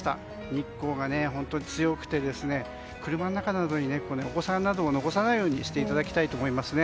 日光が本当に強くて車の中などにお子さんなどを残さないようにしていただきたいと思います。